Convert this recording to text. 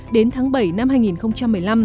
đến tháng bảy năm hai nghìn một mươi năm